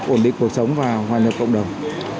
ổn định cuộc sống và hoàn hảo cộng đồng